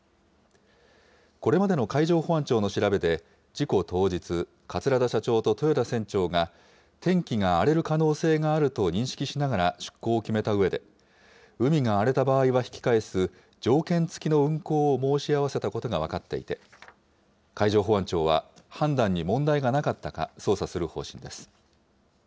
これまでの海上保安庁の調べで、事故当日、桂田社長と豊田船長が、天気が荒れる可能性があると認識しながら出航を決めたうえで、海が荒れた場合は引き返す、条件付きの運航を申し合わせたことが分かっていて、海上保安庁は、判断に問題がなかったか捜査する方針です。